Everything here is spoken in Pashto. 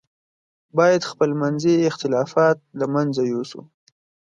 باید خپل منځي اختلافات له منځه یوسو.